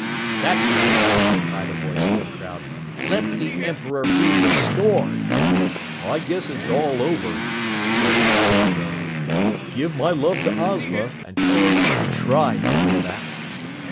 "That's right!" cried a voice from the crowd. "Let the Emperor be restored!" "I guess it's all over," gulped the Scarecrow. "Give my love to Ozma and tell her I tried to come back."